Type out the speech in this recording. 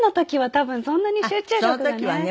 多分そんなに集中力がない。